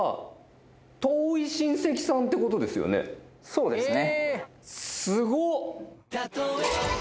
そうですね。